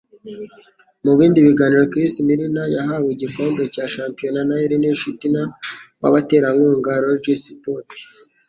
Mubindi biganiro, Chris Milne yahawe igikombe cya shampionat na Ernie Cheetham wabaterankunga, Lodge Sports.